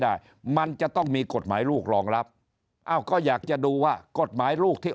ได้มันจะต้องมีกฎหมายลูกรองรับอ้าวก็อยากจะดูว่ากฎหมายลูกที่